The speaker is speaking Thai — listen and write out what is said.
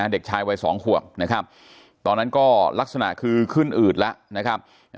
เด็กชายวัย๒ขวบนะครับตอนนั้นก็ลักษณะคือขึ้นอืดแล้วนะครับ